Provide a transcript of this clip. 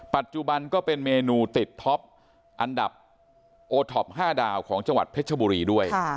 ปัจจุบันก็เป็นเมนูติดท็อปอันดับโอท็อป๕ดาวของจังหวัดเพชรบุรีด้วย